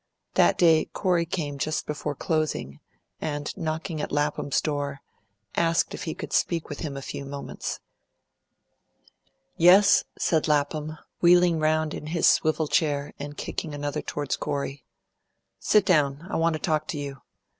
That day Corey came just before closing, and, knocking at Lapham's door, asked if he could speak with him a few moments. "Yes," said Lapham, wheeling round in his swivel chair and kicking another towards Corey. "Sit down. I want to talk to you.